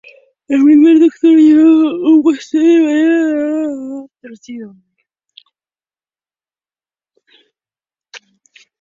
El Primer Doctor llevaba un bastón de madera con un mango retorcido.